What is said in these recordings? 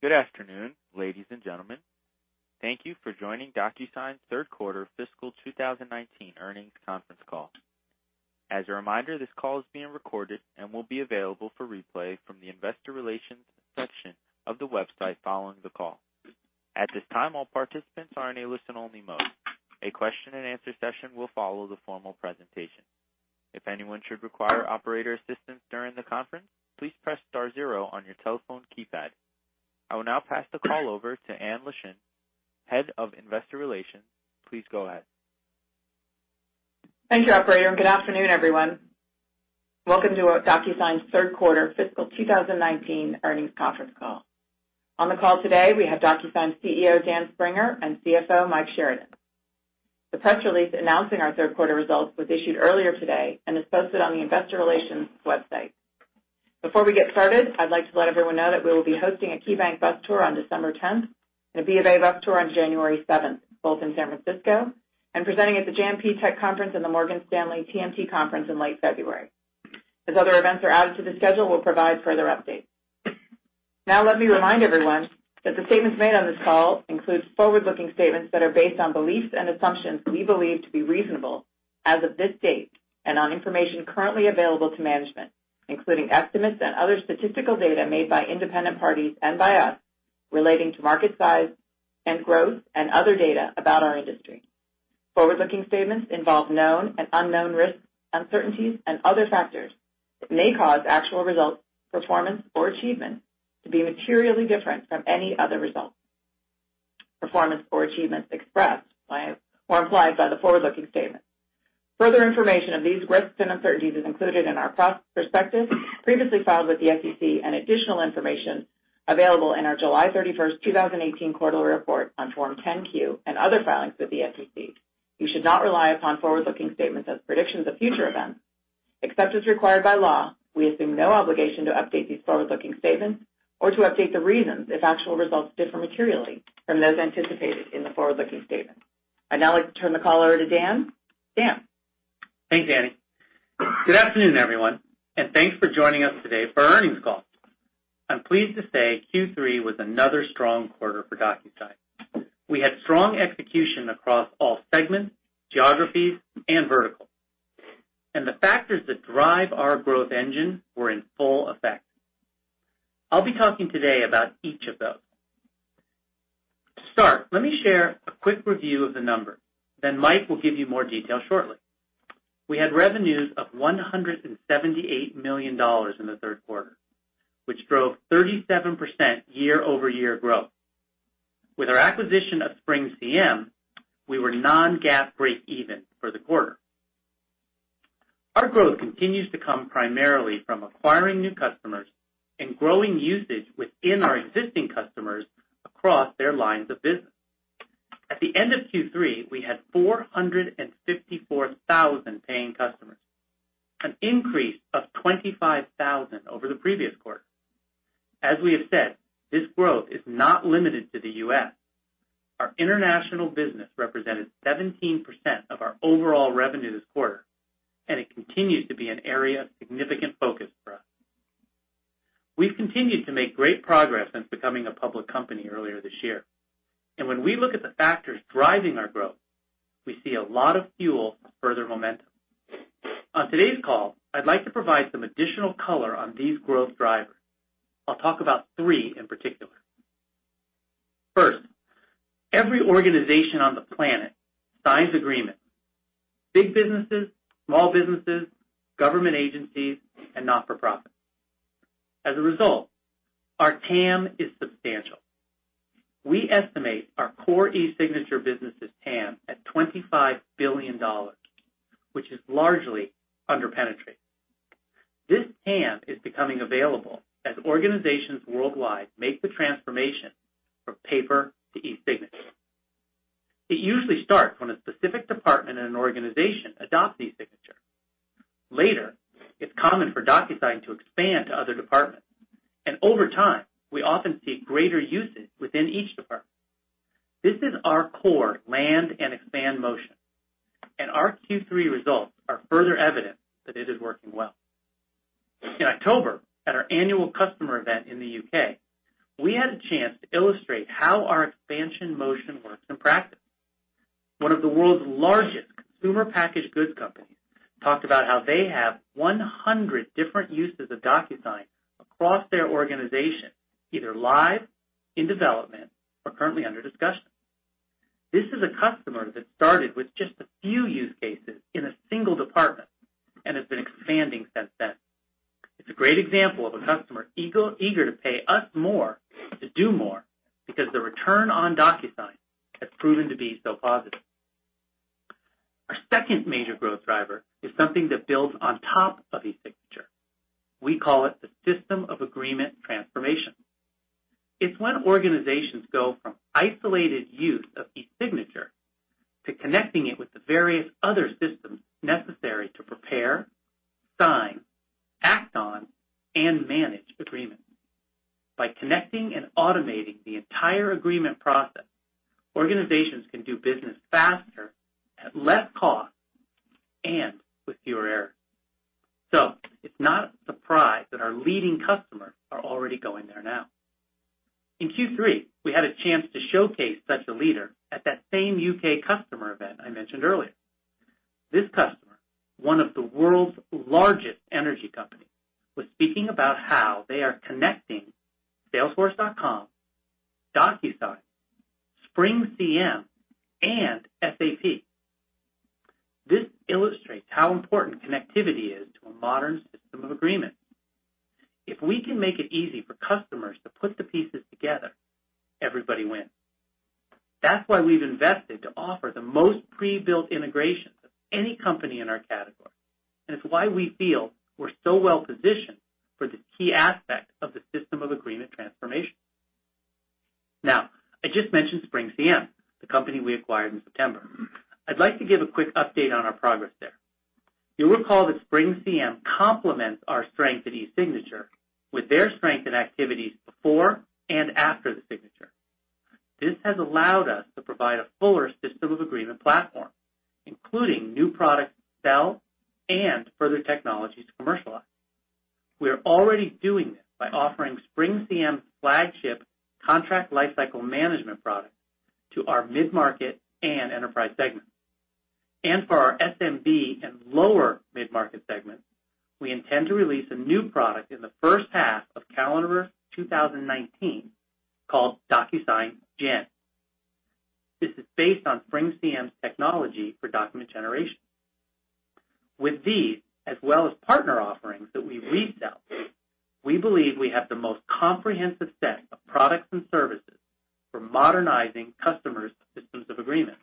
Good afternoon, ladies and gentlemen. Thank you for joining DocuSign's third quarter fiscal 2019 earnings conference call. As a reminder, this call is being recorded and will be available for replay from the investor relations section of the website following the call. At this time, all participants are in a listen-only mode. A question and answer session will follow the formal presentation. If anyone should require operator assistance during the conference, please press star zero on your telephone keypad. I will now pass the call over to Anne Leschin, Head of Investor Relations. Please go ahead. Thank you, operator. Good afternoon, everyone. Welcome to our DocuSign's third quarter fiscal 2019 earnings conference call. On the call today, we have DocuSign CEO, Dan Springer, and CFO, Mike Sheridan. The press release announcing our third quarter results was issued earlier today and is posted on the investor relations website. Before we get started, I'd like to let everyone know that we will be hosting a KeyBank Bus Tour on December 10th and a BofA Bus Tour on January 7th, both in San Francisco, and presenting at the JMP Tech Conference and the Morgan Stanley TMT Conference in late February. As other events are added to the schedule, we'll provide further updates. Let me remind everyone that the statements made on this call include forward-looking statements that are based on beliefs and assumptions we believe to be reasonable as of this date and on information currently available to management, including estimates and other statistical data made by independent parties and by us relating to market size and growth and other data about our industry. Forward-looking statements involve known and unknown risks, uncertainties, and other factors that may cause actual results, performance, or achievements to be materially different from any other results, performance, or achievements expressed or implied by the forward-looking statements. Further information of these risks and uncertainties is included in our prospectuses previously filed with the SEC and additional information available in our July 31st, 2018 quarterly report on Form 10-Q and other filings with the SEC. You should not rely upon forward-looking statements as predictions of future events. Except as required by law, we assume no obligation to update these forward-looking statements or to update the reasons if actual results differ materially from those anticipated in the forward-looking statements. I'd now like to turn the call over to Dan. Dan? Thanks, Anne. Good afternoon, everyone, and thanks for joining us today for our earnings call. I'm pleased to say Q3 was another strong quarter for DocuSign. We had strong execution across all segments, geographies, and verticals, and the factors that drive our growth engine were in full effect. I'll be talking today about each of those. To start, let me share a quick review of the numbers, then Mike will give you more details shortly. We had revenues of $178 million in the third quarter, which drove 37% year-over-year growth. With our acquisition of SpringCM, we were non-GAAP breakeven for the quarter. Our growth continues to come primarily from acquiring new customers and growing usage within our existing customers across their lines of business. At the end of Q3, we had 454,000 paying customers, an increase of 25,000 over the previous quarter. As we have said, this growth is not limited to the U.S. Our international business represented 17% of our overall revenue this quarter. It continues to be an area of significant focus for us. We've continued to make great progress since becoming a public company earlier this year. When we look at the factors driving our growth, we see a lot of fuel for further momentum. On today's call, I'd like to provide some additional color on these growth drivers. I'll talk about three in particular. First, every organization on the planet signs agreements, big businesses, small businesses, government agencies, and not-for-profit. As a result, our TAM is substantial. We estimate our core eSignature business' TAM at $25 billion, which is largely under-penetrated. This TAM is becoming available as organizations worldwide make the transformation from paper to eSignature. It usually starts when a specific department in an organization adopts eSignature. Later, it's common for DocuSign to expand to other departments, and over time, we often see greater usage within each department. This is our core land and expand motion, and our Q3 results are further evidence that it is working well. In October, at our annual customer event in the U.K., we had a chance to illustrate how our expansion motion works in practice. One of the world's largest consumer packaged goods companies talked about how they have 100 different uses of DocuSign across their organization, either live, in development, or currently under discussion. This is a customer that started with just a few use cases in a single department and has been expanding since then. It's a great example of a customer eager to pay us more to do more because the return on DocuSign has proven to be so positive. Our second major growth driver is something that builds on top of eSignature. We call it the System of Agreement transformation. It's when organizations go from isolated use of eSignature to connecting it with the various other systems necessary to prepare, sign, act on, and manage agreements. By connecting and automating the entire agreement process, organizations can do business faster, at less cost and with fewer errors. It's not a surprise that our leading customers are already going there now. In Q3, we had a chance to showcase such a leader at that same U.K. customer event I mentioned earlier. This customer, one of the world's largest energy companies, was speaking about how they are connecting Salesforce.com, DocuSign, SpringCM, and SAP. This illustrates how important connectivity is to a modern System of Agreement. If we can make it easy for customers to put the pieces together, everybody wins. That's why we've invested to offer the most pre-built integrations of any company in our category, and it's why we feel we're so well-positioned for this key aspect of the System of Agreement transformation. I just mentioned SpringCM, the company we acquired in September. I'd like to give a quick update on our progress there. You'll recall that SpringCM complements our strength in eSignature with their strength in activities before and after the signature. This has allowed us to provide a fuller System of Agreement platform, including new products to sell and further technologies to commercialize. We are already doing this by offering SpringCM's flagship Contract Lifecycle Management product to our mid-market and enterprise segments. For our SMB and lower mid-market segments, we intend to release a new product in the first half of calendar 2019 called DocuSign Gen. This is based on SpringCM's technology for document generation. With these, as well as partner offerings that we resell, we believe we have the most comprehensive set of products and services for modernizing customers' Systems of Agreement.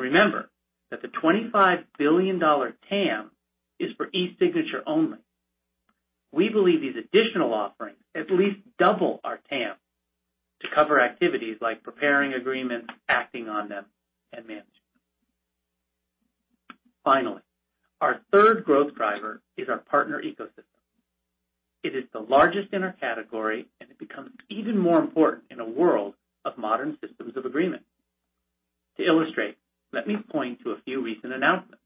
Remember that the $25 billion TAM is for eSignature only. We believe these additional offerings at least double our TAM to cover activities like preparing agreements, acting on them, and management. Finally, our third growth driver is our partner ecosystem. It is the largest in our category, and it becomes even more important in a world of modern Systems of Agreement. To illustrate, let me point to a few recent announcements.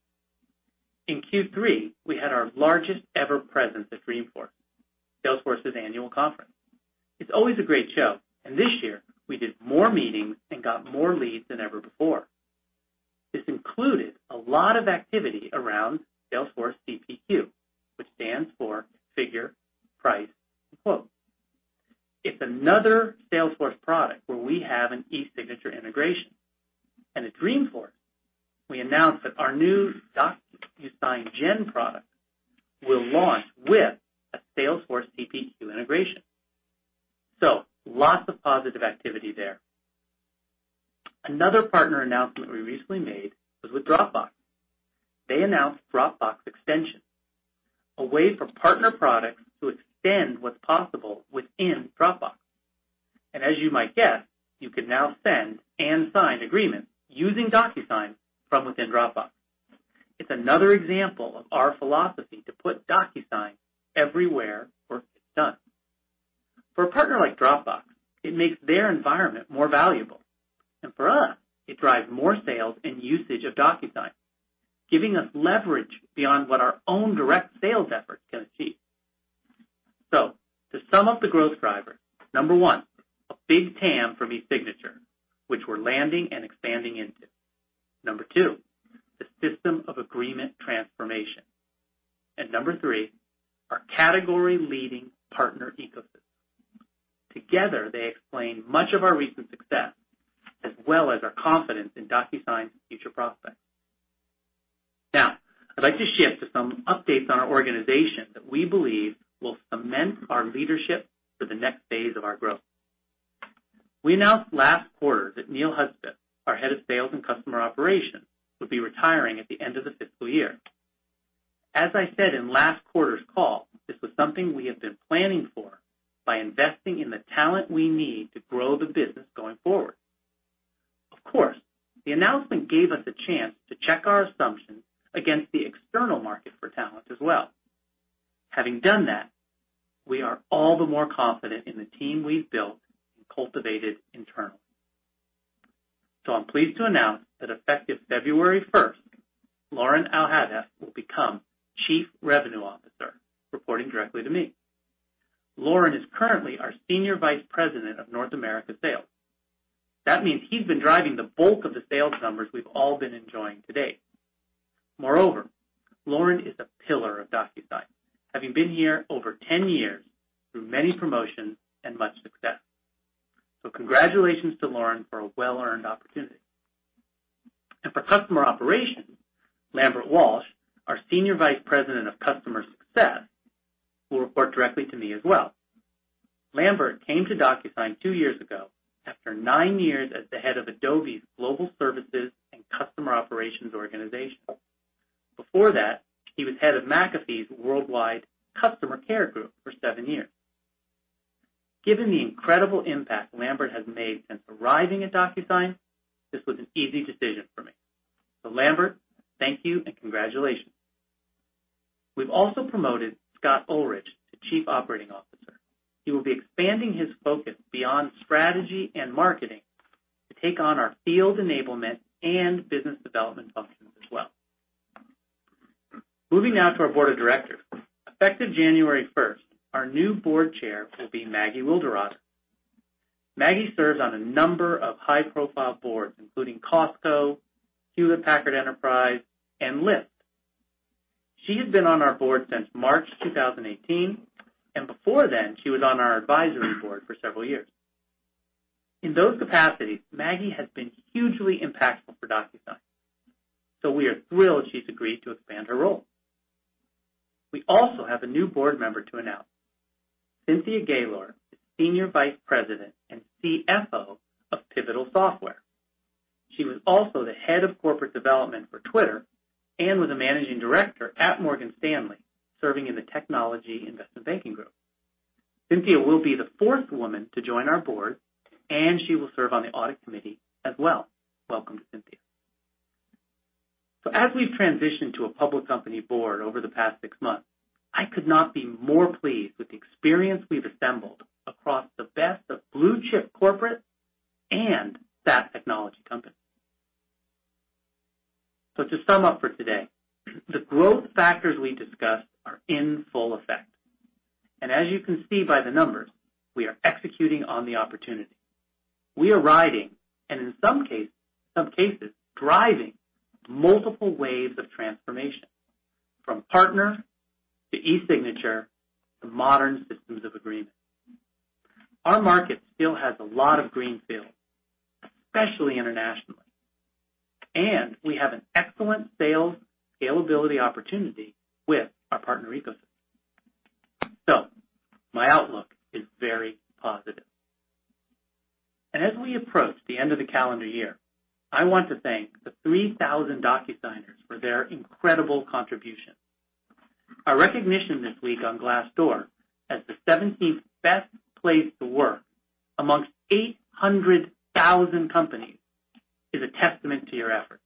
In Q3, we had our largest ever presence at Dreamforce, Salesforce's annual conference. It's always a great show, this year, we did more meetings and got more leads than ever before. This included a lot of activity around Salesforce CPQ, which stands for Configure, Price, Quote. It's another Salesforce product where we have an eSignature integration. At Dreamforce, we announced that our new DocuSign Gen product will launch with a Salesforce CPQ integration. Lots of positive activity there. Another partner announcement we recently made was with Dropbox. They announced Dropbox Extensions, a way for partner products to extend what's possible within Dropbox. As you might guess, you can now send and sign agreements using DocuSign from within Dropbox. It's another example of our philosophy to put DocuSign everywhere work gets done. For a partner like Dropbox, it makes their environment more valuable. For us, it drives more sales and usage of DocuSign, giving us leverage beyond what our own direct sales efforts can achieve. To sum up the growth drivers, number one, a big TAM from eSignature, which we're landing and expanding into. Number two, the System of Agreement transformation. Number three, our category-leading partner ecosystem. Together, they explain much of our recent success, as well as our confidence in DocuSign's future prospects. I'd like to shift to some updates on our organization that we believe will cement our leadership for the next phase of our growth. We announced last quarter that Neil Hudspith, our Head of Sales and Customer Operations, would be retiring at the end of the fiscal year. As I said in last quarter's call, this was something we have been planning for by investing in the talent we need to grow the business going forward. Of course, the announcement gave us a chance to check our assumptions against the external market for talent as well. Having done that, we are all the more confident in the team we've built and cultivated internally. I'm pleased to announce that effective February 1st, Loren Alhadeff will become Chief Revenue Officer, reporting directly to me. Loren is currently our Senior Vice President of North America Sales. That means he's been driving the bulk of the sales numbers we've all been enjoying to date. Moreover, Loren is a pillar of DocuSign, having been here over 10 years through many promotions and much success. Congratulations to Loren for a well-earned opportunity. For customer operations, Lambert Walsh, our Senior Vice President of Customer Success, will report directly to me as well. Lambert came to DocuSign two years ago after nine years as the head of Adobe's Global Services and Customer Operations organization. Before that, he was head of McAfee's worldwide customer care group for seven years. Given the incredible impact Lambert has made since arriving at DocuSign, this was an easy decision for me. Lambert, thank you and congratulations. We've also promoted Scott Olrich to Chief Operating Officer. He will be expanding his focus beyond strategy and marketing to take on our field enablement and business development functions as well. Moving now to our board of directors. Effective January 1st, our new board chair will be Maggie Wilderotter. Maggie serves on a number of high-profile boards, including Costco, Hewlett Packard Enterprise, and Lyft. She has been on our board since March 2018, before then, she was on our advisory board for several years. In those capacities, Maggie has been hugely impactful for DocuSign, we are thrilled she's agreed to expand her role. We also have a new board member to announce. Cynthia Gaylor is Senior Vice President and CFO of Pivotal Software. She was also the head of corporate development for Twitter and was a Managing Director at Morgan Stanley, serving in the technology investment banking group. Cynthia will be the fourth woman to join our board, and she will serve on the audit committee as well. Welcome, Cynthia. As we've transitioned to a public company board over the past six months, I could not be more pleased with the experience we've assembled across the best of blue-chip corporate and SaaS technology companies. To sum up for today, the growth factors we discussed are in full effect, as you can see by the numbers, we are executing on the opportunity. We are riding, and in some cases, driving multiple waves of transformation, from partner to e-signature to modern Systems of Agreement. Our market still has a lot of greenfield, especially internationally, we have an excellent sales scalability opportunity with our partner ecosystem. My outlook is very positive. As we approach the end of the calendar year, I want to thank the 3,000 DocuSigners for their incredible contribution. Our recognition this week on Glassdoor as the 17th best place to work amongst 800,000 companies is a testament to your effort.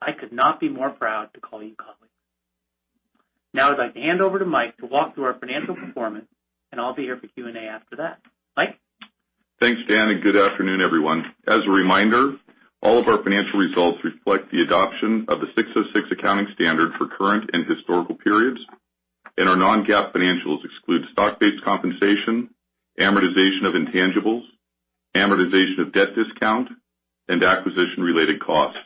I could not be more proud to call you colleagues. Now I'd like to hand over to Mike to walk through our financial performance, and I'll be here for Q&A after that. Mike? Thanks, Dan, and good afternoon, everyone. As a reminder, all of our financial results reflect the adoption of the 606 accounting standard for current and historical periods, and our non-GAAP financials exclude stock-based compensation, amortization of intangibles, amortization of debt discount, and acquisition-related costs.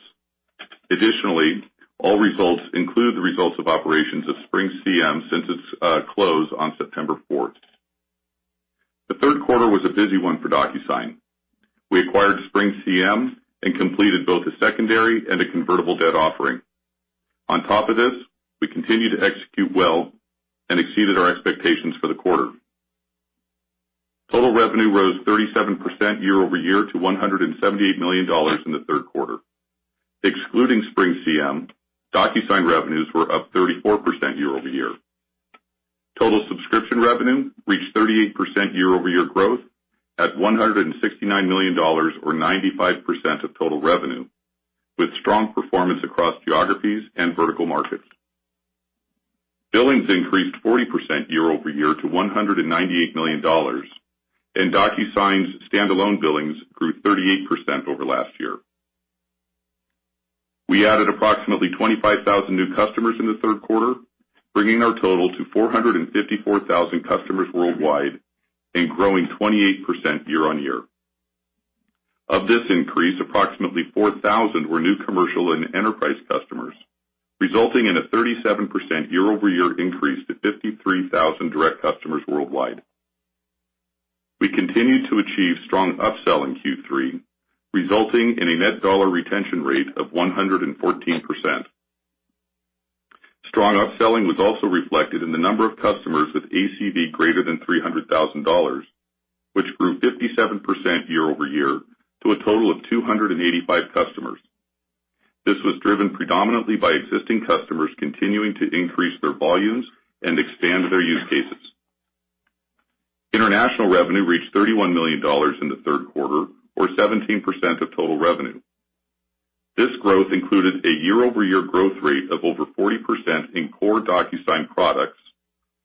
Additionally, all results include the results of operations of SpringCM since its close on September fourth. The third quarter was a busy one for DocuSign. We acquired SpringCM and completed both a secondary and a convertible debt offering. On top of this, we continued to execute well and exceeded our expectations for the quarter. Total revenue rose 37% year-over-year to $178 million in the third quarter. Excluding SpringCM, DocuSign revenues were up 34% year-over-year. Total subscription revenue reached 38% year-over-year growth at $169 million or 95% of total revenue, with strong performance across geographies and vertical markets. Billings increased 40% year-over-year to $198 million, and DocuSign's standalone billings grew 38% over last year. We added approximately 25,000 new customers in the third quarter, bringing our total to 454,000 customers worldwide and growing 28% year-on-year. Of this increase, approximately 4,000 were new commercial and enterprise customers, resulting in a 37% year-over-year increase to 53,000 direct customers worldwide. We continued to achieve strong upselling Q3, resulting in a net dollar retention rate of 114%. Strong upselling was also reflected in the number of customers with ACV greater than $300,000, which grew 57% year-over-year to a total of 285 customers. This was driven predominantly by existing customers continuing to increase their volumes and expand their use cases. International revenue reached $31 million in the third quarter, or 17% of total revenue. This growth included a year-over-year growth rate of over 40% in core DocuSign products,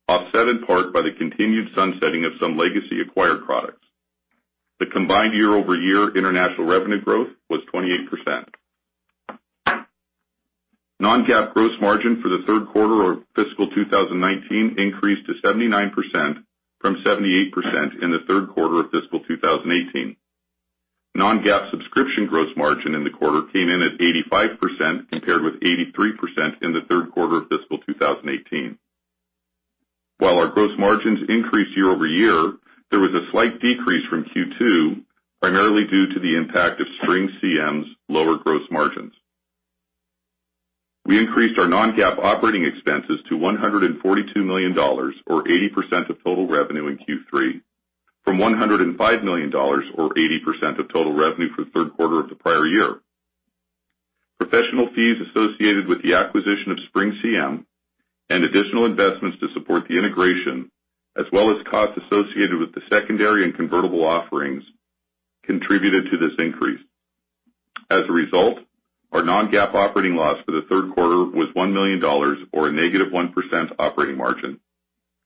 offset in part by the continued sunsetting of some legacy acquired products. The combined year-over-year international revenue growth was 28%. Non-GAAP gross margin for the third quarter of fiscal 2019 increased to 79% from 78% in the third quarter of fiscal 2018. Non-GAAP subscription gross margin in the quarter came in at 85% compared with 83% in the third quarter of fiscal 2018. While our gross margins increased year-over-year, there was a slight decrease from Q2, primarily due to the impact of SpringCM's lower gross margins. We increased our non-GAAP operating expenses to $142 million, or 80% of total revenue in Q3, from $105 million, or 80% of total revenue for the third quarter of the prior year. Professional fees associated with the acquisition of SpringCM and additional investments to support the integration, as well as costs associated with the secondary and convertible offerings, contributed to this increase. As a result, our non-GAAP operating loss for the third quarter was $1 million, or a negative 1% operating margin,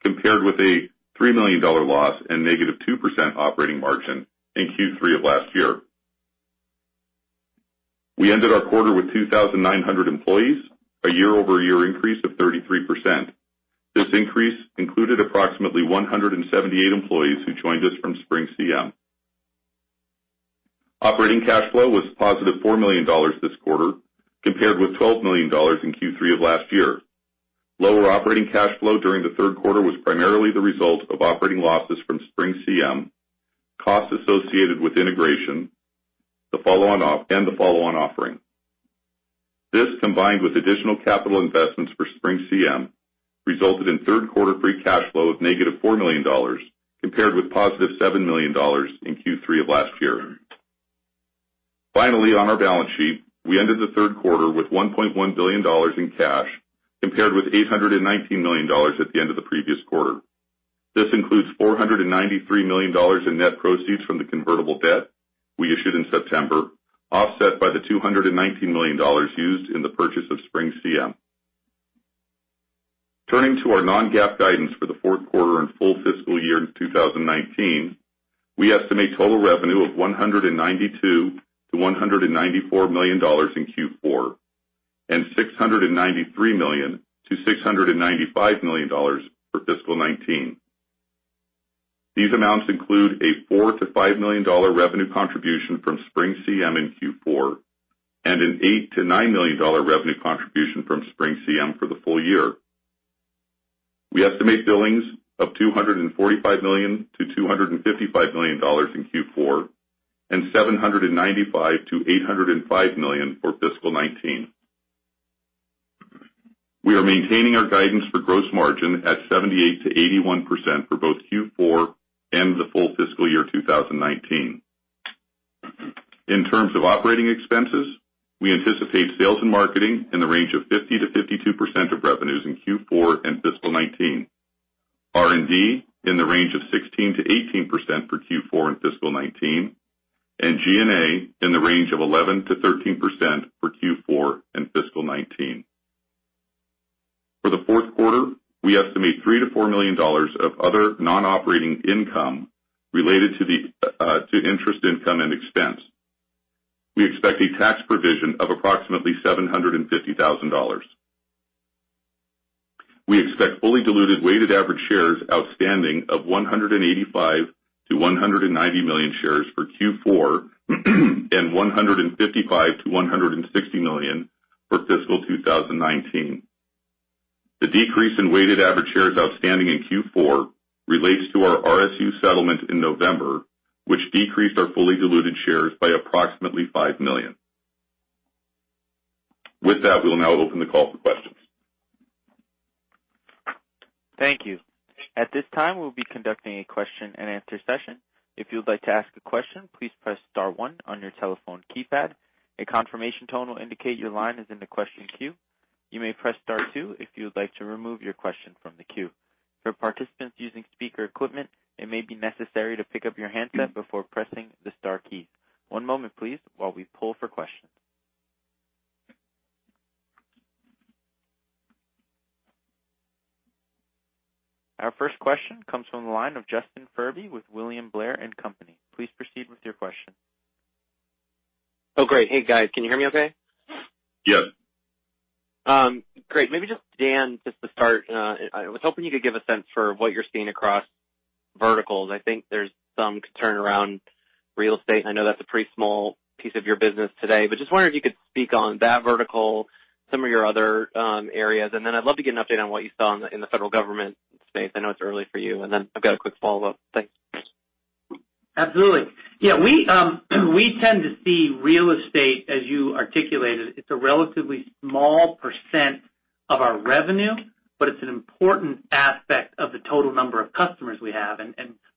compared with a $3 million loss and negative 2% operating margin in Q3 of last year. We ended our quarter with 2,900 employees, a year-over-year increase of 33%. This increase included approximately 178 employees who joined us from SpringCM. Operating cash flow was positive $4 million this quarter, compared with $12 million in Q3 of last year. Lower operating cash flow during the third quarter was primarily the result of operating losses from SpringCM, costs associated with integration, and the follow-on offering. This, combined with additional capital investments for SpringCM, resulted in third-quarter free cash flow of negative $4 million, compared with positive $7 million in Q3 of last year. Finally, on our balance sheet, we ended the third quarter with $1.1 billion in cash, compared with $819 million at the end of the previous quarter. This includes $493 million in net proceeds from the convertible debt we issued in September, offset by the $219 million used in the purchase of SpringCM. Turning to our non-GAAP guidance for the fourth quarter and full fiscal year 2019, we estimate total revenue of $192 million-$194 million in Q4, and $693 million-$695 million for fiscal 2019. These amounts include a $4 million-$5 million revenue contribution from SpringCM in Q4, and an $8 million-$9 million revenue contribution from SpringCM for the full year. We estimate billings of $245 million-$255 million in Q4, and $795 million-$805 million for fiscal 2019. We are maintaining our guidance for gross margin at 78%-81% for both Q4 and the full fiscal year 2019. In terms of operating expenses, we anticipate sales and marketing in the range of 50%-52% of revenues in Q4 and fiscal 2019, R&D in the range of 16%-18% for Q4 and fiscal 2019, and G&A in the range of 11%-13% for Q4 and fiscal 2019. For the fourth quarter, we estimate $3 million-$4 million of other non-operating income related to interest income and expense. We expect a tax provision of approximately $750,000. We expect fully diluted weighted average shares outstanding of 185 million-190 million shares for Q4, and 155 million-160 million for fiscal 2019. The decrease in weighted average shares outstanding in Q4 relates to our RSU settlement in November, which decreased our fully diluted shares by approximately 5 million. With that, we will now open the call for questions. Thank you. At this time, we'll be conducting a question and answer session. If you would like to ask a question, please press star one on your telephone keypad. A confirmation tone will indicate your line is in the question queue. You may press star two if you would like to remove your question from the queue. For participants using speaker equipment, it may be necessary to pick up your handset before pressing the star key. One moment, please, while we pull for questions. Our first question comes from the line of Justin Furby with William Blair & Company. Please proceed with your question. Oh, great. Hey, guys. Can you hear me okay? Yes. Great. Maybe just, Dan, just to start, I was hoping you could give a sense for what you're seeing across verticals. I think there's some concern around real estate. I know that's a pretty small piece of your business today, but just wondering if you could speak on that vertical, some of your other areas, I'd love to get an update on what you saw in the federal government space. I know it's early for you, I've got a quick follow-up. Thanks. Absolutely. Yeah, we tend to see real estate as you articulated. It's a relatively small percent of our revenue, but it's an important aspect of the total number of customers we have.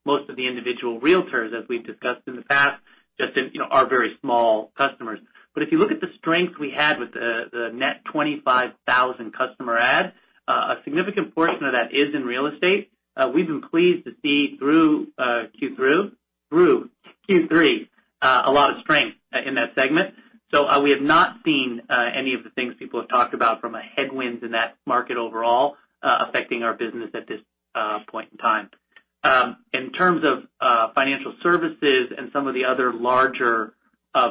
Most of the individual realtors, as we've discussed in the past, Justin, are very small customers. If you look at the strength we had with the net 25,000 customer add, a significant portion of that is in real estate. We've been pleased to see through Q3, a lot of strength in that segment. We have not seen any of the things people have talked about from a headwind in that market overall affecting our business at this point in time. In terms of financial services and some of the other larger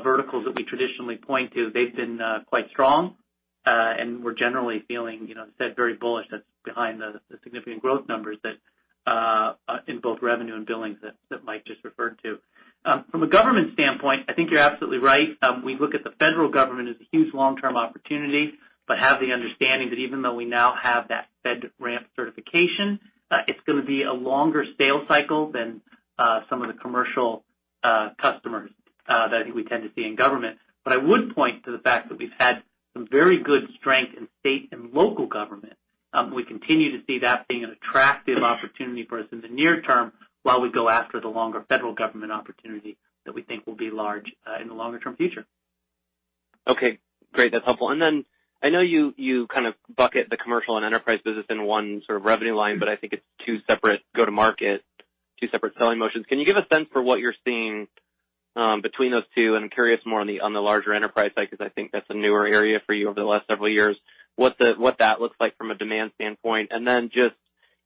verticals that we traditionally point to, they've been quite strong. We're generally feeling very bullish. That's behind the significant growth numbers in both revenue and billings that Mike just referred to. From a government standpoint, I think you're absolutely right. We look at the federal government as a huge long-term opportunity, but have the understanding that even though we now have that FedRAMP certification, it's going to be a longer sales cycle than some of the commercial customers that I think we tend to see in government. I would point to the fact that we've had some very good strength in state and local government. We continue to see that being an attractive opportunity for us in the near term while we go after the longer federal government opportunity that we think will be large in the longer-term future. Okay, great. That's helpful. I know you kind of bucket the commercial and enterprise business in one sort of revenue line, but I think it's two separate selling motions. Can you give a sense for what you're seeing between those two? I'm curious more on the larger enterprise side, because I think that's a newer area for you over the last several years, what that looks like from a demand standpoint. Then just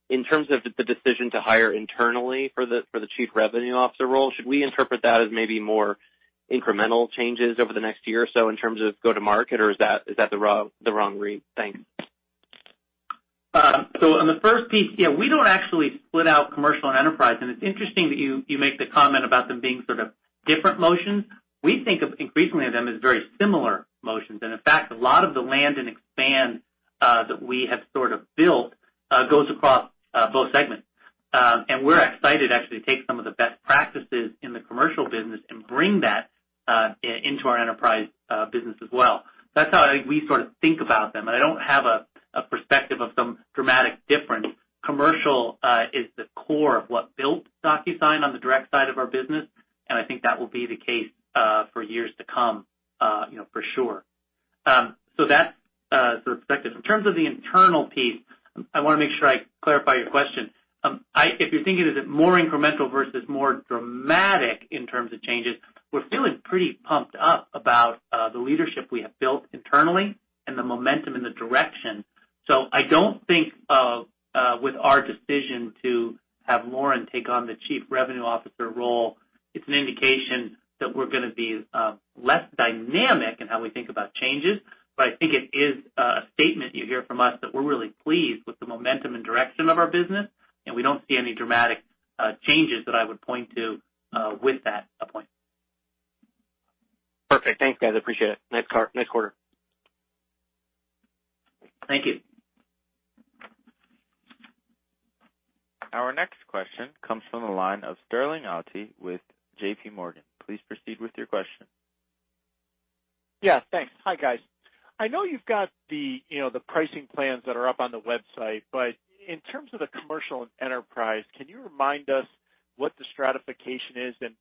in terms of the decision to hire internally for the Chief Revenue Officer role, should we interpret that as maybe more incremental changes over the next year or so in terms of go to market? Is that the wrong read? Thanks. On the first piece, yeah, we don't actually split out commercial and enterprise, and it's interesting that you make the comment about them being different motions. We think increasingly of them as very similar motions. In fact, a lot of the land and expand that we have built goes across both segments. We're excited actually to take some of the best practices in the commercial business and bring that into our enterprise business as well. That's how we think about them. I don't have a perspective of some dramatic difference. Commercial is the core of what built DocuSign on the direct side of our business, and I think that will be the case for years to come, for sure. That's the perspective. In terms of the internal piece, I want to make sure I clarify your question. If you're thinking is it more incremental versus more dramatic in terms of changes, we're feeling pretty pumped up about the leadership we have built internally and the momentum and the direction. I don't think with our decision to have Loren take on the Chief Revenue Officer role, it's an indication that we're going to be less dynamic in how we think about changes. I think it is a statement you hear from us that we're really pleased with the momentum and direction of our business, and we don't see any dramatic changes that I would point to with that appointment. Perfect. Thanks, guys. Appreciate it. Nice quarter. Thank you. Our next question comes from the line of Sterling Auty with JP Morgan. Please proceed with your question. Yeah, thanks. Hi, guys. I know you've got the pricing plans that are up on the website. In terms of the commercial and enterprise, can you remind us what the stratification is, and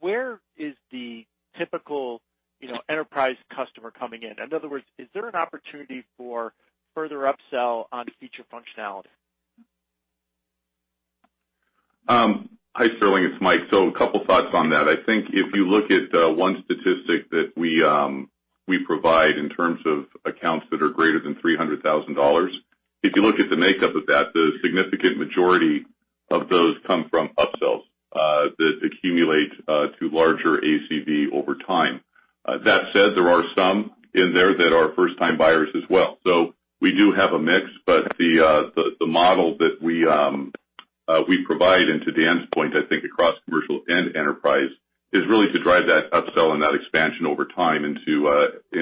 where is the typical enterprise customer coming in? In other words, is there an opportunity for further upsell on feature functionality? Hi, Sterling, it's Mike. A couple thoughts on that. I think if you look at one statistic that we provide in terms of accounts that are greater than $300,000, if you look at the makeup of that, the significant majority of those come from upsells that accumulate to larger ACV over time. That said, there are some in there that are first-time buyers as well. We do have a mix, but the model that we provide, and to Dan's point, I think across commercial and enterprise, is really to drive that upsell and that expansion over time into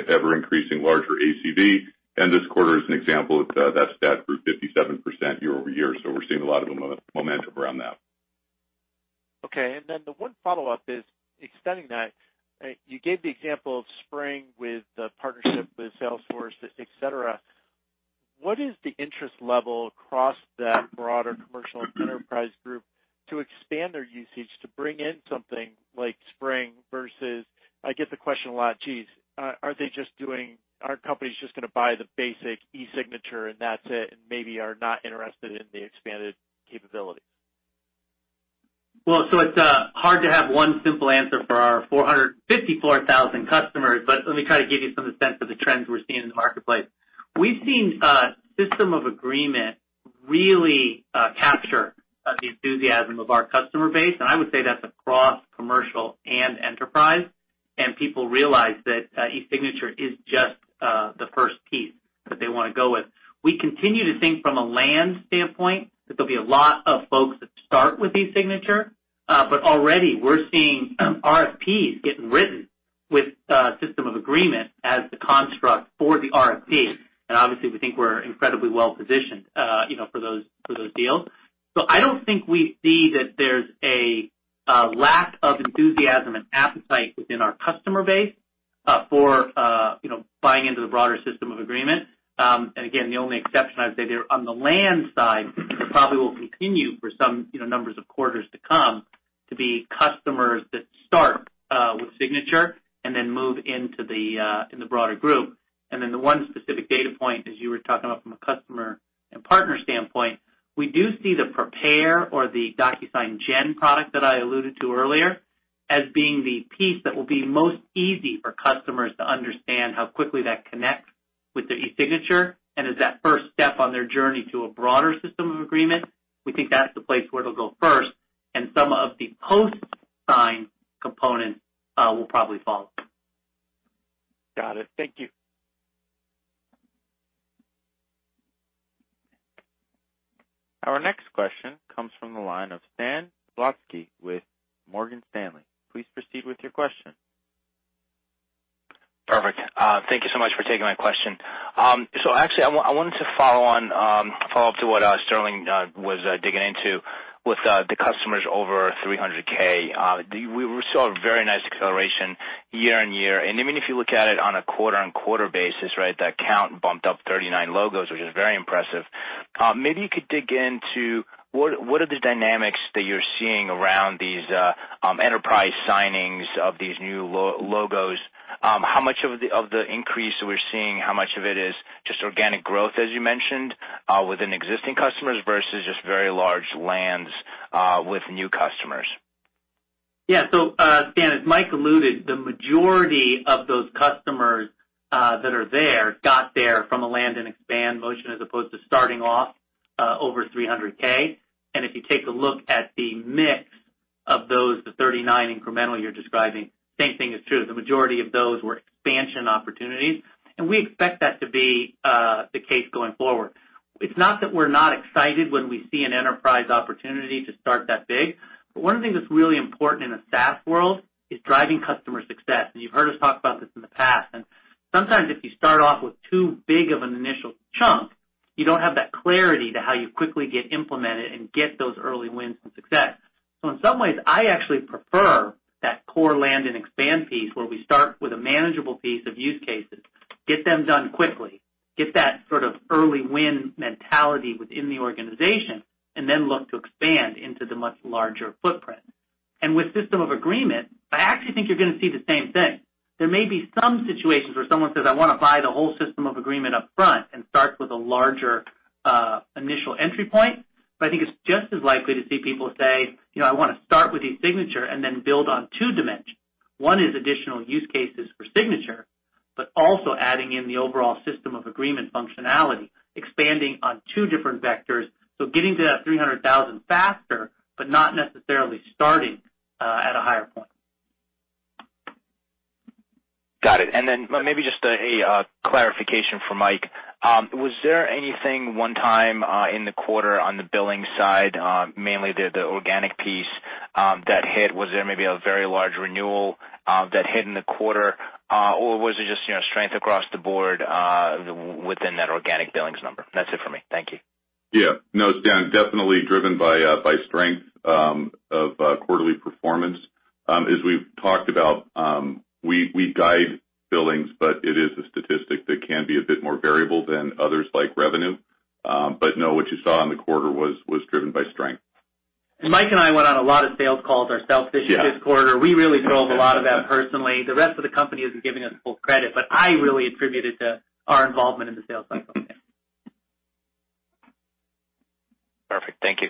ever-increasing larger ACV. This quarter is an example of that stat grew 57% year-over-year. We're seeing a lot of momentum around that. Okay. The one follow-up is extending that. You gave the example of SpringCM with the partnership with Salesforce, et cetera. What is the interest level across that broader commercial and enterprise group to expand their usage to bring in something like SpringCM versus, I get the question a lot, geez, aren't companies just gonna buy the basic eSignature and that's it, and maybe are not interested in the expanded capabilities? Well, it's hard to have one simple answer for our 454,000 customers, but let me kind of give you some sense of the trends we're seeing in the marketplace. We've seen System of Agreement really capture the enthusiasm of our customer base, and I would say that's across commercial and enterprise. People realize that eSignature is just the first piece that they want to go with. We continue to think from a land standpoint that there'll be a lot of folks that start with eSignature. Already we're seeing RFPs getting written with System of Agreement as the construct for the RFP. Obviously, we think we're incredibly well-positioned for those deals. I don't think we see that there's a lack of enthusiasm and appetite within our customer base for buying into the broader System of Agreement. Again, the only exception I'd say there on the land side probably will continue for some numbers of quarters to come to be customers that start with eSignature and then move into the broader group. The one specific data point, as you were talking about from a customer and partner standpoint, we do see the Prepare or the DocuSign Gen product that I alluded to earlier as being the piece that will be most easy for customers to understand how quickly that connects with their eSignature and is that first step on their journey to a broader System of Agreement. We think that's the place where it'll go first and some of the post-sign components will probably follow. Got it. Thank you. Our next question comes from the line of Stan Zlotsky with Morgan Stanley. Please proceed with your question. Perfect. Thank you so much for taking my question. Actually, I wanted to follow up to what Sterling was digging into with the customers over $300K. We saw a very nice acceleration year-over-year. Even if you look at it on a quarter-over-quarter basis, right? That count bumped up 39 logos, which is very impressive. Maybe you could dig into what are the dynamics that you're seeing. These enterprise signings of these new logos, how much of the increase that we're seeing, how much of it is just organic growth, as you mentioned, within existing customers versus just very large lands with new customers? Stan, as Mike alluded, the majority of those customers that are there got there from a land-and-expand motion as opposed to starting off over $300K. If you take a look at the mix of those, the 39 incremental you're describing, same thing is true. The majority of those were expansion opportunities, and we expect that to be the case going forward. It's not that we're not excited when we see an enterprise opportunity to start that big, but one of the things that's really important in the SaaS world is driving customer success. You've heard us talk about this in the past, and sometimes if you start off with too big of an initial chunk, you don't have that clarity to how you quickly get implemented and get those early wins and success. In some ways, I actually prefer that core land-and-expand piece, where we start with a manageable piece of use cases, get them done quickly, get that sort of early-win mentality within the organization, and then look to expand into the much larger footprint. With System of Agreement, I actually think you're going to see the same thing. There may be some situations where someone says, "I want to buy the whole System of Agreement up front," and starts with a larger initial entry point. I think it's just as likely to see people say, "I want to start with eSignature and then build on two dimensions." One is additional use cases for signature, but also adding in the overall System of Agreement functionality, expanding on two different vectors. Getting to that 300,000 faster, but not necessarily starting at a higher point. Got it. Then maybe just a clarification for Mike. Was there anything one-time in the quarter on the billing side, mainly the organic piece that hit? Was there maybe a very large renewal that hit in the quarter? Or was it just strength across the board within that organic billings number? That's it for me. Thank you. No, Dan, definitely driven by strength of quarterly performance. As we've talked about, we guide billings, but it is a statistic that can be a bit more variable than others, like revenue. No, what you saw in the quarter was driven by strength. Mike and I went on a lot of sales calls ourselves this quarter. Yeah. We really drove a lot of that personally. The rest of the company isn't giving us full credit, but I really attribute it to our involvement in the sales cycle. Perfect. Thank you.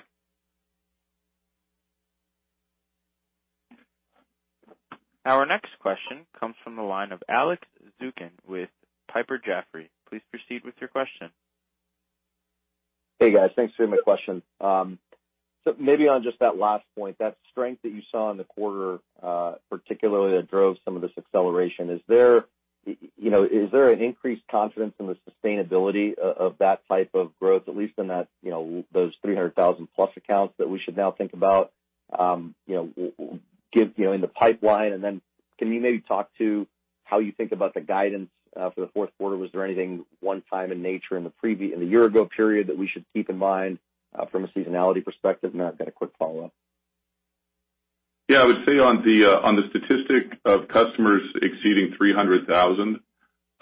Our next question comes from the line of Alex Zukin with Piper Jaffray. Please proceed with your question. Hey, guys. Thanks for taking my question. Maybe on just that last point, that strength that you saw in the quarter, particularly that drove some of this acceleration, is there an increased confidence in the sustainability of that type of growth, at least in those 300,000 plus accounts that we should now think about in the pipeline? Can you maybe talk to how you think about the guidance for the fourth quarter? Was there anything one-time in nature in the year-ago period that we should keep in mind from a seasonality perspective? I've got a quick follow-up. Yeah. I would say on the statistic of customers exceeding $300,000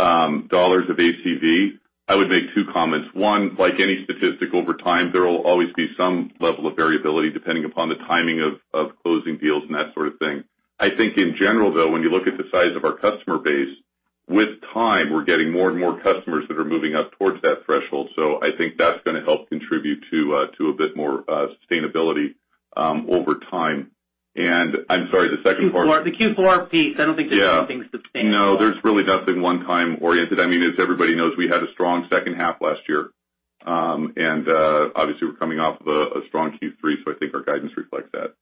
of ACV, I would make two comments. One, like any statistic over time, there will always be some level of variability depending upon the timing of closing deals and that sort of thing. I think in general, though, when you look at the size of our customer base, with time, we're getting more and more customers that are moving up towards that threshold. I think that's going to help contribute to a bit more sustainability over time. I'm sorry, the second part. The Q4 piece, I don't think there's anything sustainable. No, there's really nothing one-time oriented. As everybody knows, we had a strong second half last year. Obviously, we're coming off of a strong Q3, I think our guidance reflects that.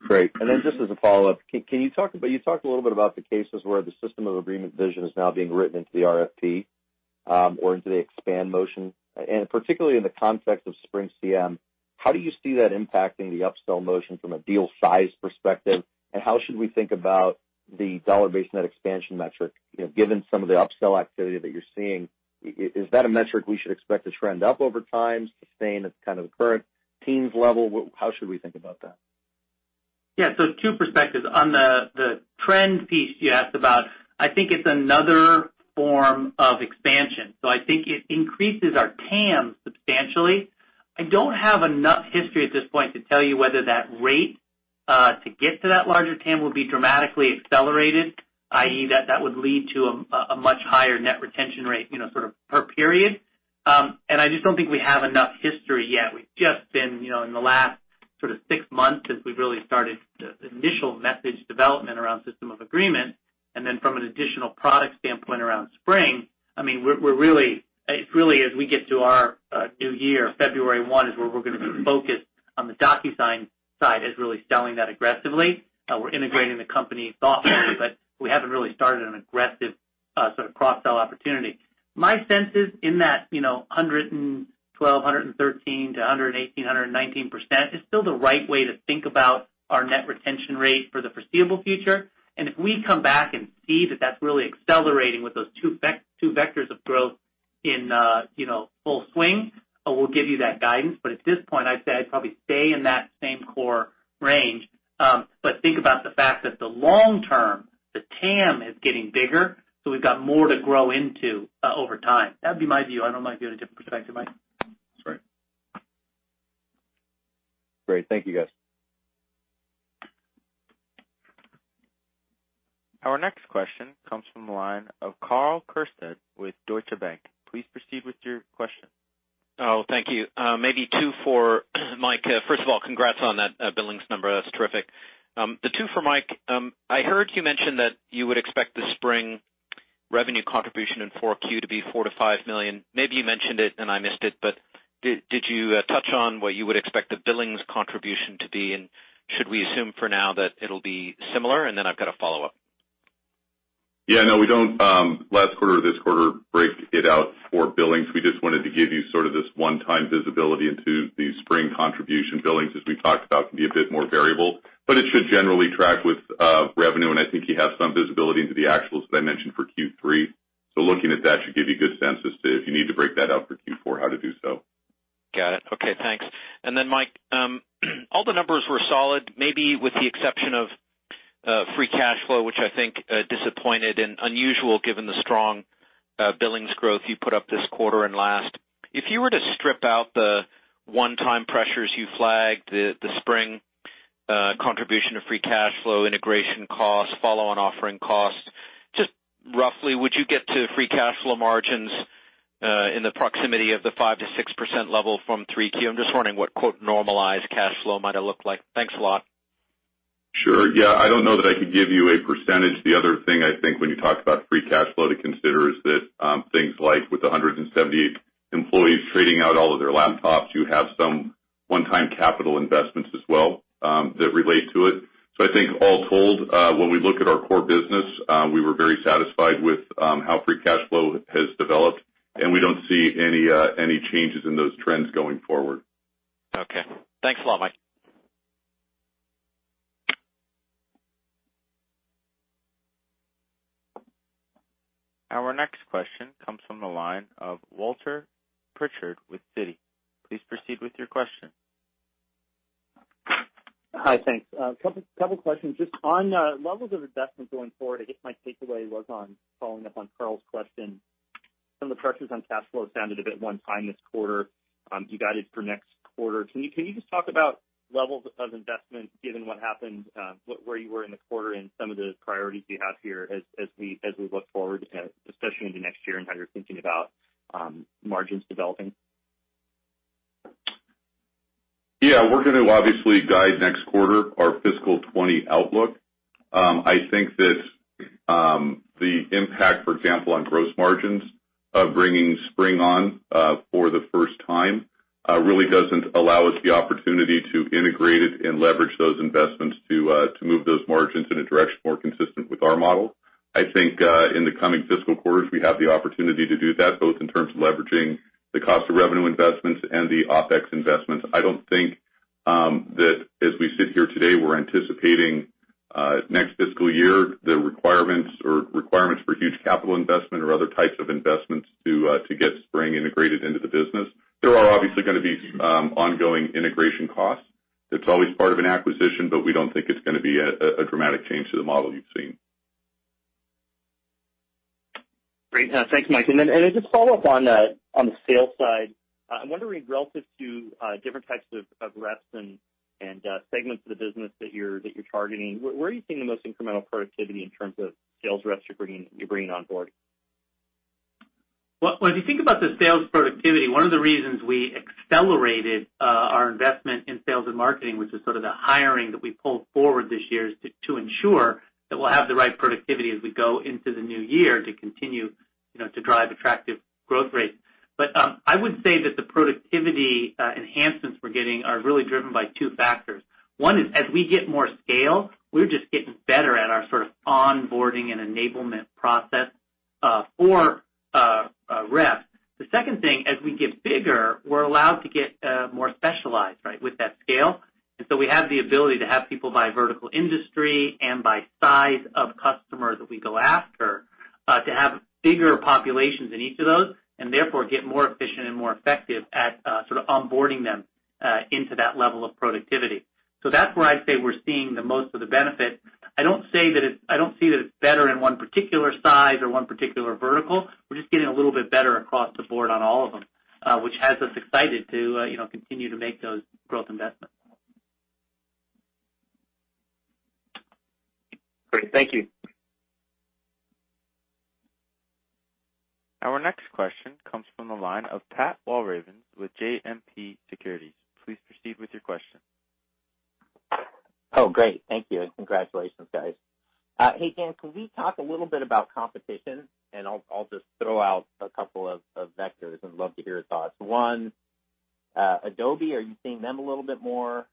Great. Then just as a follow-up, you talked a little bit about the cases where the System of Agreement vision is now being written into the RFP, or into the expand motion, particularly in the context of SpringCM, how do you see that impacting the upsell motion from a deal size perspective? How should we think about the dollar-based net expansion metric, given some of the upsell activity that you're seeing? Is that a metric we should expect to trend up over time, sustain at kind of the current teens level? How should we think about that? Yeah. Two perspectives. On the trend piece you asked about, I think it's another form of expansion. I think it increases our TAM substantially. I don't have enough history at this point to tell you whether that rate to get to that larger TAM will be dramatically accelerated, i.e., that that would lead to a much higher net retention rate per period. I just don't think we have enough history yet. We've just been in the last six months since we really started the initial message development around System of Agreement. From an additional product standpoint around SpringCM, it's really as we get to our new year, February 1 is where we're going to be focused on the DocuSign side as really selling that aggressively. We're integrating the company thoughtfully, but we haven't really started an aggressive sort of cross-sell opportunity. My sense is in that 112%-113% to 118%-119% is still the right way to think about our net retention rate for the foreseeable future. If we come back and see that that's really accelerating with those two vectors of growth in full swing, we'll give you that guidance. At this point, I'd say I'd probably stay in that same core range. Think about the fact that the long term, the TAM is getting bigger, so we've got more to grow into over time. That'd be my view. I don't know if you had a different perspective, Mike. That's right. Great. Thank you, guys. Our next question comes from the line of Karl Keirstead with Deutsche Bank. Please proceed with your question. Oh, thank you. Maybe two for Mike. First of all, congrats on that billings number. That is terrific. The two for Mike. I heard you mention that you would expect the SpringCM revenue contribution in 4Q to be $4 million to $5 million. Maybe you mentioned it and I missed it, but did you touch on what you would expect the billings contribution to be, and should we assume for now that it will be similar? I have got a follow-up. Yeah, no, we do not, last quarter or this quarter, break it out for billings. We just wanted to give you sort of this one-time visibility into the SpringCM contribution billings, as we talked about, can be a bit more variable, but it should generally track with revenue, and I think you have some visibility into the actuals that I mentioned for Q3. Looking at that should give you good sense as to if you need to break that out for Q4, how to do so. Got it. Okay, thanks. Mike, all the numbers were solid, maybe with the exception of free cash flow, which I think disappointed and unusual given the strong billings growth you put up this quarter and last. If you were to strip out the one-time pressures you flagged, the SpringCM contribution of free cash flow, integration costs, follow-on offering costs, just roughly, would you get to free cash flow margins in the proximity of the 5%-6% level from 3Q? I am just wondering what, quote, "normalized" cash flow might have looked like. Thanks a lot. Sure. Yeah. I do not know that I could give you a percentage. The other thing I think when you talk about free cash flow to consider is that things like with 178 employees trading out all of their laptops, you have some one-time capital investments as well that relate to it. I think all told, when we look at our core business, we were very satisfied with how free cash flow has developed, and we do not see any changes in those trends going forward. Okay. Thanks a lot, Mike Sheridan. Our next question comes from the line of Walter Pritchard with Citi. Please proceed with your question. Hi. Thanks. Couple questions. Just on levels of investment going forward, I guess my takeaway was on following up on Karl's question, some of the pressures on cash flow sounded a bit one-time this quarter. You guided for next quarter. Can you just talk about levels of investment given what happened, where you were in the quarter and some of the priorities you have here as we look forward, especially into next year, and how you're thinking about margins developing? Yeah. We're going to obviously guide next quarter our fiscal 2020 outlook. I think that the impact, for example, on gross margins of bringing SpringCM on for the first time really doesn't allow us the opportunity to integrate it and leverage those investments to move those margins in a direction more consistent with our model. I think, in the coming fiscal quarters, we have the opportunity to do that, both in terms of leveraging the cost of revenue investments and the OpEx investments. I don't think that as we sit here today, we're anticipating next fiscal year, the requirements for huge capital investment or other types of investments to get SpringCM integrated into the business. There are obviously going to be some ongoing integration costs. That's always part of an acquisition, but we don't think it's going to be a dramatic change to the model you've seen. Great. Thanks, Mike. Just follow up on the sales side. I'm wondering, relative to different types of reps and segments of the business that you're targeting, where are you seeing the most incremental productivity in terms of sales reps you're bringing on board? If you think about the sales productivity, one of the reasons we accelerated our investment in sales and marketing, which is sort of the hiring that we pulled forward this year, is to ensure that we'll have the right productivity as we go into the new year to continue to drive attractive growth rates. I would say that the productivity enhancements we're getting are really driven by two factors. One is, as we get more scale, we're just getting better at our sort of onboarding and enablement process for reps. The second thing, as we get bigger, we're allowed to get more specialized with that scale. We have the ability to have people by vertical industry and by size of customer that we go after to have bigger populations in each of those, and therefore get more efficient and more effective at sort of onboarding them into that level of productivity. That's where I'd say we're seeing the most of the benefit. I don't see that it's better in one particular size or one particular vertical. We're just getting a little bit better across the board on all of them, which has us excited to continue to make those growth investments. Great. Thank you. Our next question comes from the line of Pat Walravens with JMP Securities. Please proceed with your question. Oh, great. Thank you, and congratulations, guys. Hey, Dan, can we talk a little bit about competition? I'll just throw out a couple of vectors and love to hear your thoughts. One, Adobe, are you seeing them a little bit more?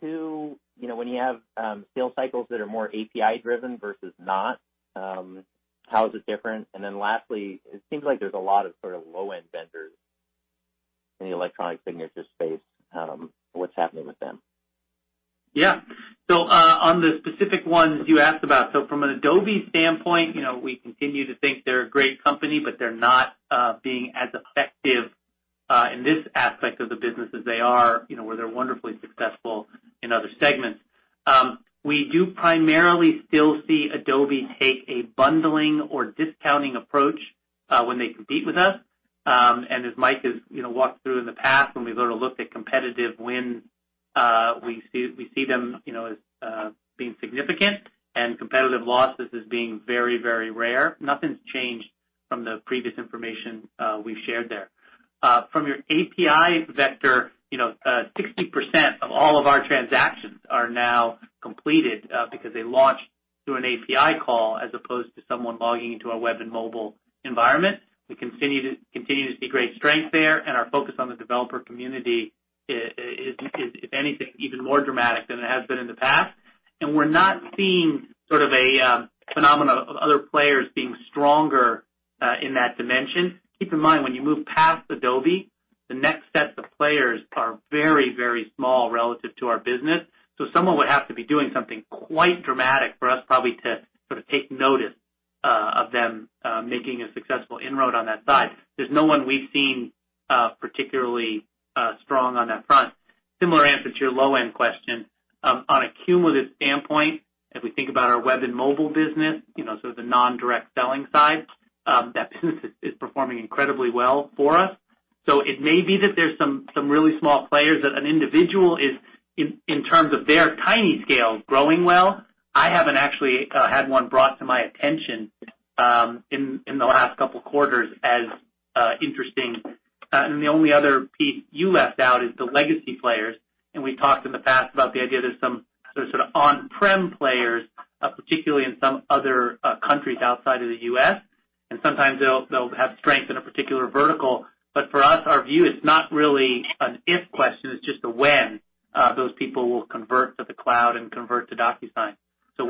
Two, when you have sales cycles that are more API-driven versus not, how is it different? Then lastly, it seems like there's a lot of sort of low-end vendors in the electronic signature space. What's happening with them? Yeah. On the specific ones you asked about, so from an Adobe standpoint, we continue to think they're a great company, but they're not being as effective in this aspect of the business as they are, where they're wonderfully successful in other segments. We do primarily still see Adobe take a bundling or discounting approach when they compete with us. As Mike has walked through in the past, when we've looked at competitive wins, we see them as being significant and competitive losses as being very rare. Nothing's changed from the previous information we've shared there. From your API vector, 60% of all of our transactions are now completed because they launch through an API call as opposed to someone logging into a web and mobile environment. We continue to see great strength there, and our focus on the developer community is, if anything, even more dramatic than it has been in the past, and we're not seeing a phenomenon of other players being stronger in that dimension. Keep in mind, when you move past Adobe, the next set of players are very small relative to our business. Someone would have to be doing something quite dramatic for us probably to take notice of them making a successful inroad on that side. There's no one we've seen particularly strong on that front. Similar answer to your low-end question. On a cumulative standpoint, as we think about our web and mobile business, so the non-direct selling side, that business is performing incredibly well for us. It may be that there's some really small players that an individual is, in terms of their tiny scale, growing well. I haven't actually had one brought to my attention in the last couple of quarters as interesting. The only other piece you left out is the legacy players. We've talked in the past about the idea there's some sort of on-prem players, particularly in some other countries outside of the U.S., and sometimes they'll have strength in a particular vertical. For us, our view is not really an if question, it's just a when those people will convert to the cloud and convert to DocuSign.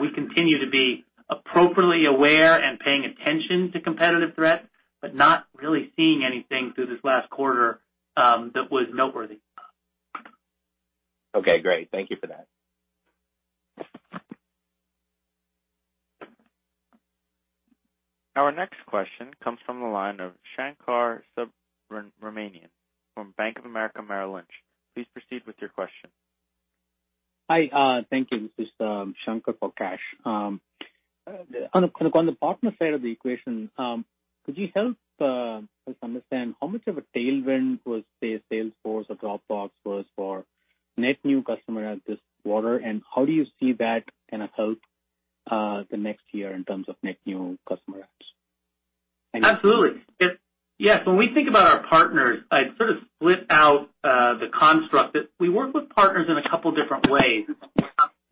We continue to be appropriately aware and paying attention to competitive threats, but not really seeing anything through this last quarter that was noteworthy. Okay, great. Thank you for that. Our next question comes from the line of Shankar Subramanian from Bank of America Merrill Lynch. Please proceed with your question. Hi, thank you. This is Shankar for Kash. On the partner side of the equation, could you help us understand how much of a tailwind was, say, Salesforce or Dropbox was for net new customer at this quarter, and how do you see that help the next year in terms of net new customer adds? Thank you. Absolutely. Yes. When we think about our partners, I'd split out the construct that we work with partners in a couple different ways.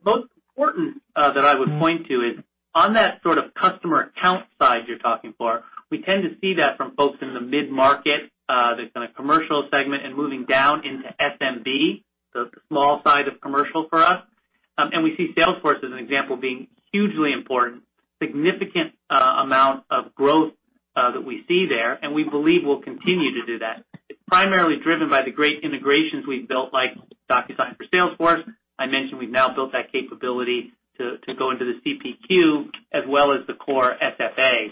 Most important that I would point to is on that customer account side you're talking for, we tend to see that from folks in the mid-market, that's in a commercial segment and moving down into SMB, so the small side of commercial for us. We see Salesforce as an example, being hugely important. Significant amount of growth that we see there, and we believe will continue to do that. It's primarily driven by the great integrations we've built, like DocuSign for Salesforce. I mentioned we've now built that capability to go into the CPQ as well as the core FFA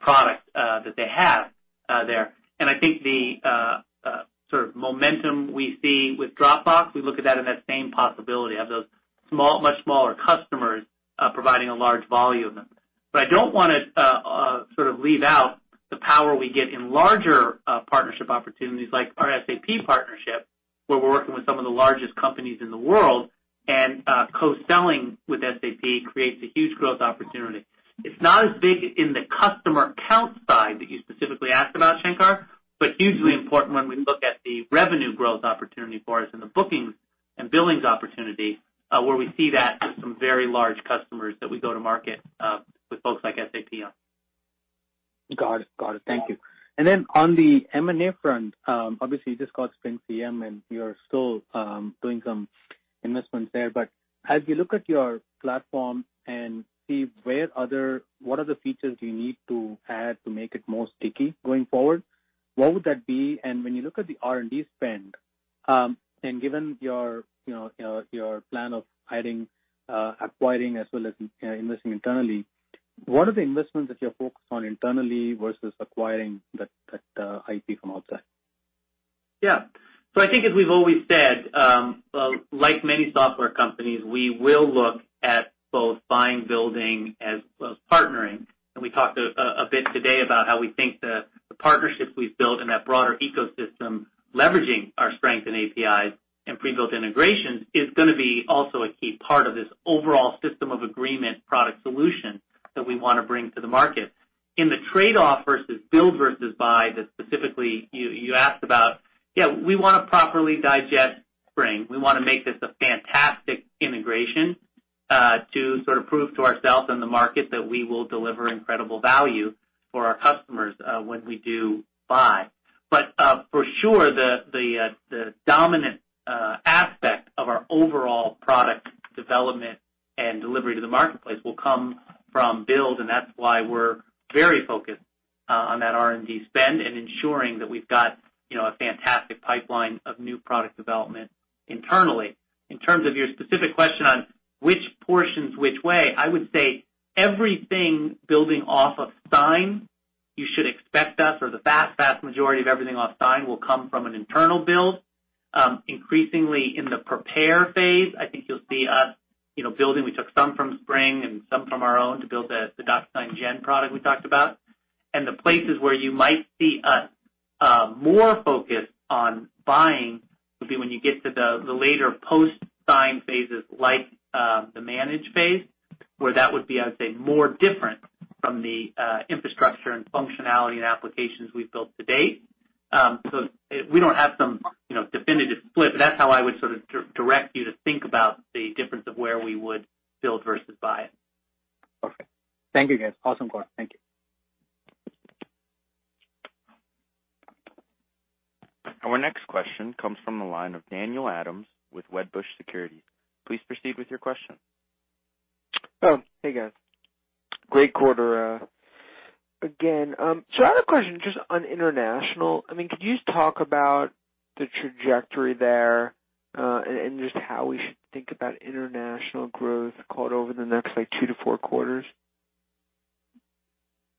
product that they have there. I think the momentum we see with Dropbox, we look at that in that same possibility of those much smaller customers providing a large volume. I don't want to leave out the power we get in larger partnership opportunities like our SAP partnership, where we're working with some of the largest companies in the world, and co-selling with SAP creates a huge growth opportunity. It's not as big in the customer count side that you specifically asked about, Shankar, but hugely important when we look at the revenue growth opportunity for us and the bookings and billings opportunity where we see that with some very large customers that we go to market with folks like SAP on. Got it. Thank you. On the M&A front, obviously you just got SpringCM, and you're still doing some investments there. As you look at your platform and see what other features do you need to add to make it more sticky going forward, what would that be? When you look at the R&D spend, and given your plan of hiring, acquiring, as well as investing internally, what are the investments that you're focused on internally versus acquiring that IP from outside? Yeah. I think as we've always said, like many software companies, we will look at both buying, building as well as partnering. We talked a bit today about how we think the partnerships we've built in that broader ecosystem, leveraging our strength in APIs and pre-built integrations is going to be also a key part of this overall System of Agreement product solution that we want to bring to the market. In the trade-off versus build versus buy that specifically you asked about, yeah, we want to properly digest Spring. We want to make this a fantastic integration to prove to ourselves and the market that we will deliver incredible value for our customers when we do buy. For sure, the dominant aspect of our overall product development and delivery to the marketplace will come from build. That's why we're very focused on that R&D spend and ensuring that we've got a fantastic pipeline of new product development internally. In terms of your specific question on which portions which way, I would say, everything building off of sign, you should expect us or the vast majority of everything off sign will come from an internal build. Increasingly in the prepare phase, I think you'll see us building. We took some from Spring and some from our own to build the DocuSign Gen product we talked about. The places where you might see us more focused on buying will be when you get to the later post-sign phases, like the manage phase, where that would be, I would say, more different from the infrastructure and functionality and applications we've built to date. We don't have some definitive flip. That's how I would sort of direct you to think about the difference of where we would build versus buy. Okay. Thank you, guys. Awesome call. Thank you. Our next question comes from the line of Daniel Ives with Wedbush Securities. Please proceed with your question. Oh, hey guys. Great quarter. Again, I have a question just on international. Could you just talk about the trajectory there, and just how we should think about international growth call it over the next two to four quarters?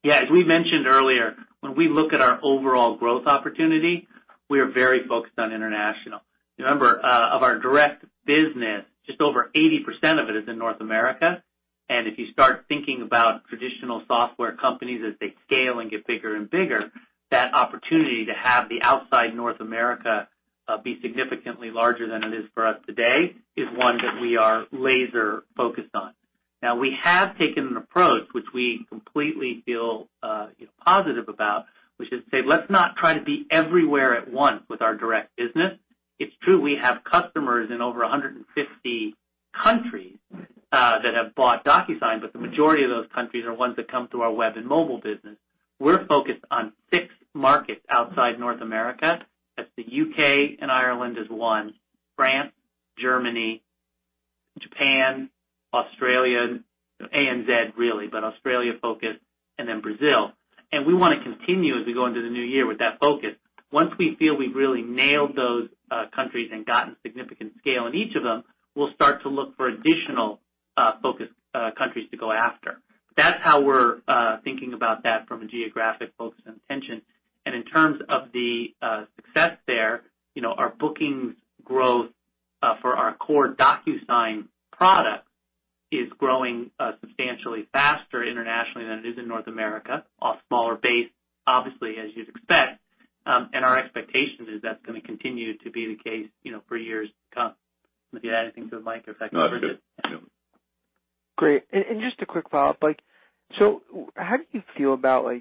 Yeah. As we mentioned earlier, when we look at our overall growth opportunity, we are very focused on international. Remember, of our direct business, just over 80% of it is in North America. If you start thinking about traditional software companies as they scale and get bigger and bigger, that opportunity to have the outside North America be significantly larger than it is for us today is one that we are laser-focused on. We have taken an approach which we completely feel positive about, which is to say, let's not try to be everywhere at once with our direct business. It's true, we have customers in over 150 countries that have bought DocuSign, but the majority of those countries are ones that come through our web and mobile business. We're focused on six markets outside North America. That's the U.K. and Ireland is one, France, Germany, Japan, Australia, ANZ really, but Australia-focused, and then Brazil. We want to continue as we go into the new year with that focus. Once we feel we've really nailed those countries and gotten significant scale in each of them, we'll start to look for additional focus countries to go after. That's how we're thinking about that from a geographic focus and intention. In terms of the success there, our bookings growth for our core DocuSign product is growing substantially faster internationally than it is in North America, off smaller base, obviously, as you'd expect. Our expectation is that's going to continue to be the case for years to come. Do you have anything to add, Mike, if I can turn it- No, that's good. Great. Just a quick follow-up. How do you feel about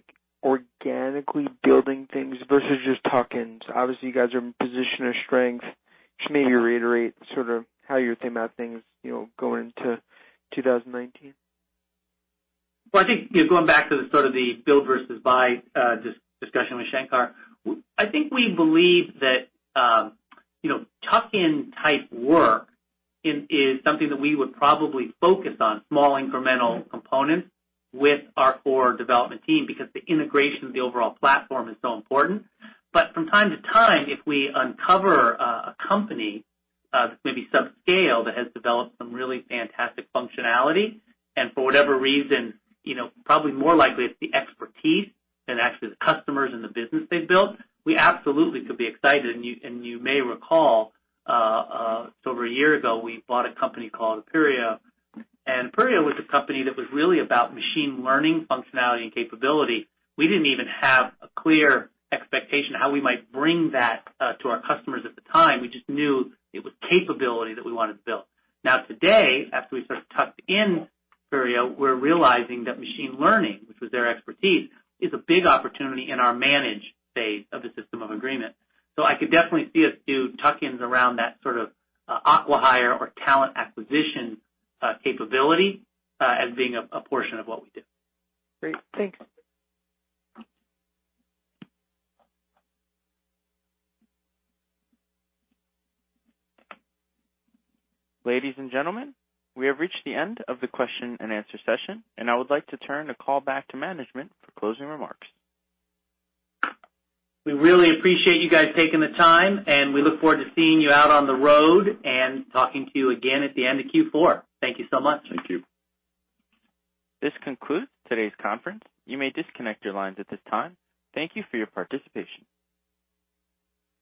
organically building things versus just tuck-ins? Obviously, you guys are in a position of strength. Just maybe reiterate sort of how you're thinking about things going into 2019. Well, I think going back to the build versus buy discussion with Shankar, I think we believe that tuck-in type work is something that we would probably focus on, small incremental components with our core development team, because the integration of the overall platform is so important. From time to time, if we uncover a company that's maybe subscale that has developed some really fantastic functionality, and for whatever reason, probably more likely it's the expertise than actually the customers and the business they've built, we absolutely could be excited. You may recall, it's over a year ago, we bought a company called Appuri. Appuri was a company that was really about machine learning functionality and capability. We didn't even have a clear expectation how we might bring that to our customers at the time. We just knew it was capability that we wanted to build. Now today, after we sort of tucked in Appuri, we're realizing that machine learning, which was their expertise, is a big opportunity in our manage phase of the System of Agreement. I could definitely see us do tuck-ins around that sort of acquihire or talent acquisition capability as being a portion of what we do. Great. Thanks. Ladies and gentlemen, we have reached the end of the question and answer session. I would like to turn the call back to management for closing remarks. We really appreciate you guys taking the time. We look forward to seeing you out on the road and talking to you again at the end of Q4. Thank you so much. Thank you. This concludes today's conference. You may disconnect your lines at this time. Thank you for your participation.